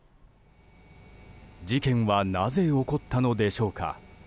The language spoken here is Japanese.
事件はなぜ起こったのでしょうか。